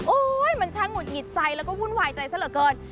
มันช่างหุดหงิดใจแล้วก็วุ่นวายใจซะเหลือเกิน